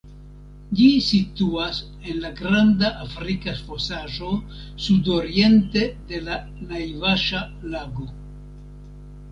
Ĝi situas en la Granda Afrika Fosaĵo, sudoriente de Naivaŝa-lago.